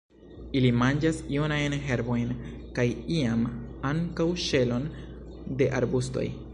Ili manĝas junajn herbojn, kaj iam ankaŭ ŝelon de arbustoj.